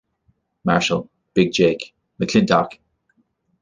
Marshal", "Big Jake", "McLintock!